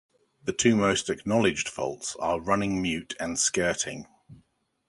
The two most acknowledged faults are running mute and skirting.